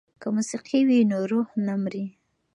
که موسیقي وي نو روح نه مري.